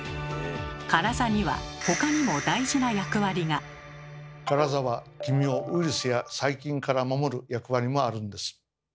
カラザにはカラザは黄身をウイルスや細菌から守る役割もあるんです。